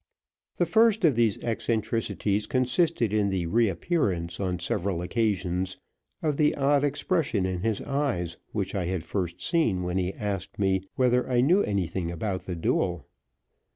The first of these eccentricities consisted in the reappearance on several occasions of the odd expression in his eyes which I had first seen when he asked me whether I knew anything about the duel.